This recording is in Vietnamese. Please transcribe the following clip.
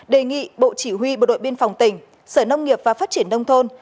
đề nghị bộ chỉ huy bộ đội biên phòng tỉnh sở nông nghiệp và phát triển nông thôn